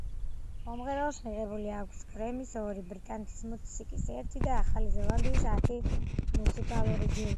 მომღერალს მიღებული აქვს გრემის ორი, ბრიტანეთის მუსიკის ერთი და ახალი ზელანდიის ათი მუსიკალური ჯილდო.